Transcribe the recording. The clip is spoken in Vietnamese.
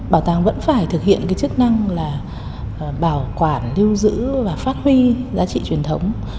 bảo tàng vẫn phải thực hiện chức năng bảo quản lưu giữ và phát huy giá trị truyền thống